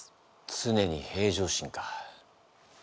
常に平常心か。